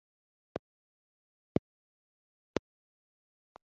bakorera mu Murenge wa Rubona,